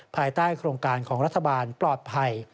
ภายใต้โครงการของรัฐบาลปลอดภัย